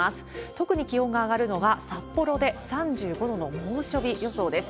特に気温が上がるのが札幌で３５度の猛暑日予想です。